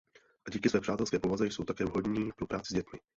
A díky své přátelské povaze jsou také vhodní pro práci s dětmi.